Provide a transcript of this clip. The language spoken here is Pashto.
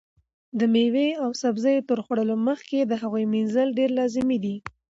د مېوې او سبزیو تر خوړلو مخکې د هغو مینځل ډېر لازمي دي.